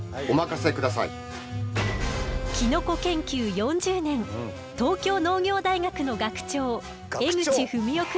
キノコ研究４０年東京農業大学の学長江口文陽くんよ。